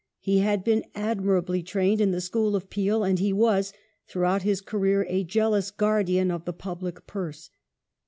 He had been admirably trained in the school of Peel, and he was, throughout his career, a jealous guardian of the public purse.